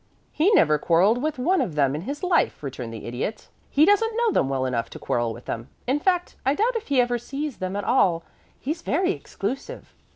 "He never quarrelled with one of them in his life," returned the Idiot. "He doesn't know them well enough to quarrel with them; in fact, I doubt if he ever sees them at all. He's very exclusive."